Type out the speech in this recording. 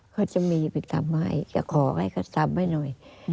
ก็จะมีไปทำให้จะขอให้ก็ทำให้หน่อย